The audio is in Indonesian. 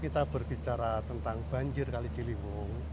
kita tidak akan mencari banjir yang terkait dengan sungai ciliwung